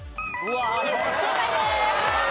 正解です！